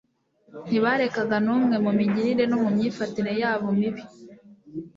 ntibarekaga n'umwe mu migirire no mu myifatire yabo mibi